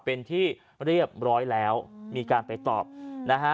เป็นที่เรียบร้อยแล้วมีการไปตอบนะฮะ